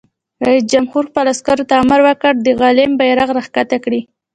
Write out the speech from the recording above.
رئیس جمهور خپلو عسکرو ته امر وکړ؛ د غلیم بیرغ راکښته کړئ!